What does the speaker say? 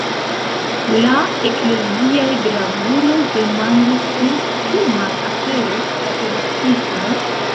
La ekleziaj gravuloj demandis sin ĉu malaperos katolikismo.